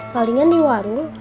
palingan di warung